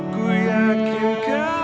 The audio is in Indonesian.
ku yakin kau tahu